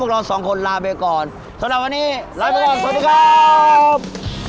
เราสองคนลาไปก่อนสำหรับวันนี้ลาไปก่อนสวัสดีครับ